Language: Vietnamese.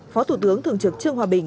phó thủ tướng thường trực trương hòa bình